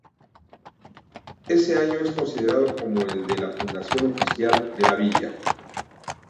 Ese año es considerado como el de la fundación oficial de la villa.